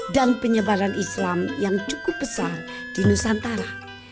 dan penyebaran islam yang cukup besar di nusantara